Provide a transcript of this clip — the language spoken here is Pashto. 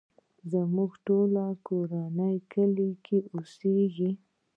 زموږ ټوله کورنۍ کلی کې اوسيږې.